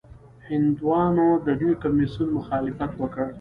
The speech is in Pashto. هندیانو د دې کمیسیون مخالفت وکړ.